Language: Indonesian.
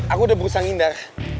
aku udah berusaha ngindar